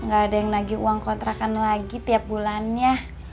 gak ada yang nagih uang kontrakan lagi tiap bulannya